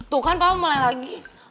tuh kan papa mulai lagi